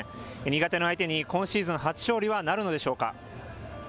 苦手の相手に今シーズン初勝利はなるのでしょうか。